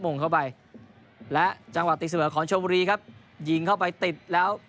งงเข้าไปและจังหวะตีเสมอของชมบุรีครับยิงเข้าไปติดแล้ว